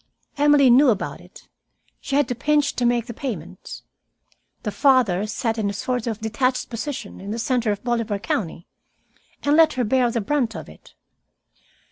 Emily knew about it. She had to pinch to make the payments. The father sat in a sort of detached position, in the center of Bolivar County, and let her bear the brunt of it.